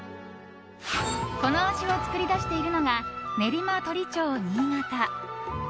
この味を作り出しているのが練馬鳥長・新潟。